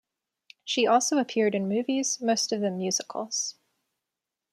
She also appeared in movies, most of them musicals.